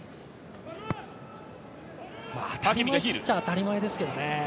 当たり前っちゃ当たり前ですけどね。